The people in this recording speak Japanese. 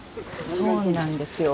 そうなんですよ。